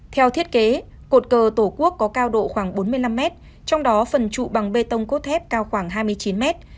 theo thiết kế cột cờ tổ quốc có cao độ khoảng bốn mươi năm mét trong đó phần trụ bằng bê tông cốt thép cao khoảng hai mươi chín mét